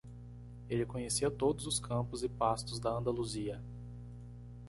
Ele conhecia todos os campos e pastos da Andaluzia.